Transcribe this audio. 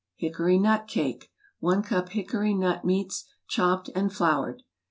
Hickory Nut Cake i cup hickory nut meats, chopped and floured.